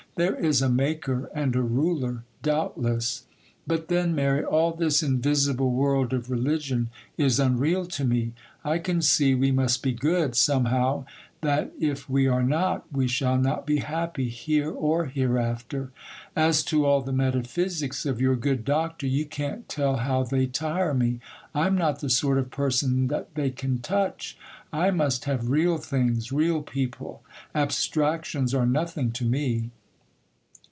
There is a Maker and a Ruler, doubtless; but then, Mary, all this invisible world of religion is unreal to me. I can see we must be good, somehow,—that if we are not, we shall not be happy here or hereafter. As to all the metaphysics of your good Doctor, you can't tell how they tire me. I'm not the sort of person that they can touch. I must have real things,—real people; abstractions are nothing to me.